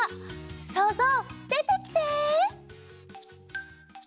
そうぞうでてきて！